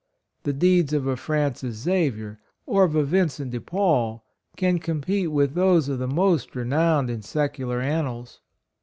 The deeds PRINCE DEMETRIUS. 11 of a Francis Xavier, or of a Vincent de Paul, can compete with those of the most renowned in secular an nals.